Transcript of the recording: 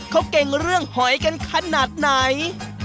เขาเก่งเรื่องหอยกันขนาดไหน